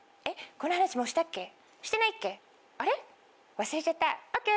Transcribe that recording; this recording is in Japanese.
この話もうしたっけ？